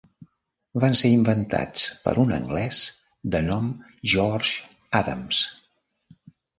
Van ser inventats per un anglès de nom George Adams.